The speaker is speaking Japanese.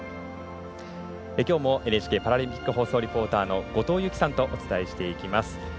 きょうもＮＨＫパラリンピック放送リポーターの後藤佑季さんとお伝えしていきます。